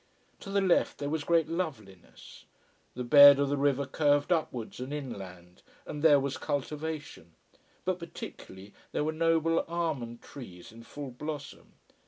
To the left there was great loveliness. The bed of the river curved upwards and inland, and there was cultivation: but particularly, there were noble almond trees in full blossom.